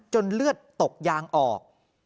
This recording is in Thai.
เลือดตกยางออก